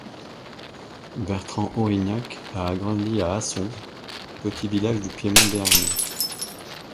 Bertrand Aurignac a grandi à Asson, petit village du piémont béarnais.